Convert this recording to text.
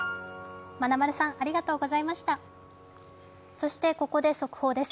そしてここで速報です。